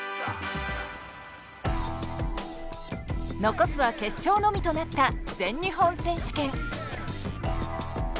残すは決勝のみとなった全日本選手権。